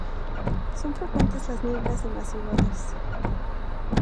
Son frecuentes las nieblas en las ciudades.